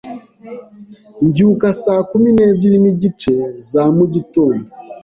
Mbyuka saa kumi n'ebyiri n'igice za mugitondo.